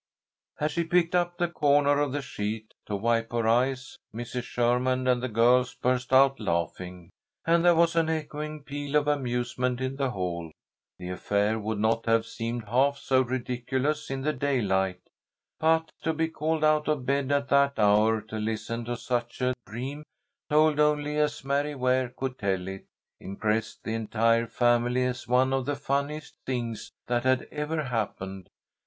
As she picked up the corner of the sheet to wipe her eyes Mrs. Sherman and the girls burst out laughing, and there was an echoing peal of amusement in the hall. The affair would not have seemed half so ridiculous in the daylight, but to be called out of bed at that hour to listen to such a dream, told only as Mary Ware could tell it, impressed the entire family as one of the funniest things that had ever happened.